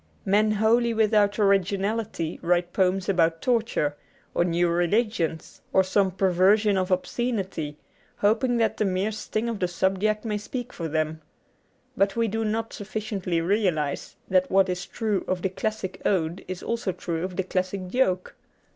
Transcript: Men wholly without originality write poems about torture, or new religions, or some perversion of obscenity, hoping that the mere sting of the subject may speak for them. But we do not sufficiently realize that what is true of the classic ode is also true of the classic joke.